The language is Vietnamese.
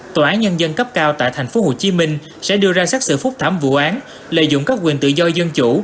tòa án nhân dân cấp cao tại tp hcm sẽ đưa ra xác xử phúc thảm vụ án lợi dụng các quyền tự do dân chủ